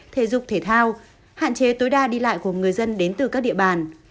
thể dục thể thao hạn chế tối đa đi lại của người dân đến từ các địa bàn